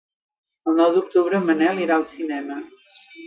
El nou d'octubre en Manel irà al cinema.